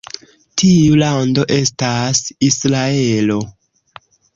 Tiu lando estas Israelo.